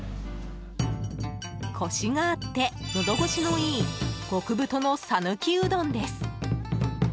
コシがあって、のど越しのいい極太の讃岐うどんです。